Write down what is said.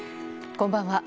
こんばんは。